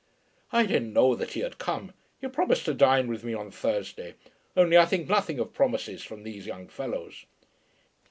"I didn't know that he had come. He promised to dine with me on Thursday, only I think nothing of promises from these young fellows."